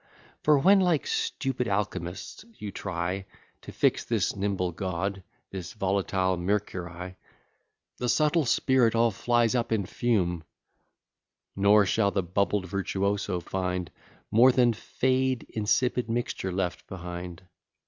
For when, like stupid alchymists, you try To fix this nimble god, This volatile mercury, The subtile spirit all flies up in fume; Nor shall the bubbled virtuoso find More than fade insipid mixture left behind.